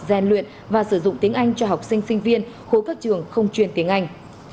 gian luyện và sử dụng tiếng anh cho học sinh sinh viên khối các trường không chuyên tiếng anh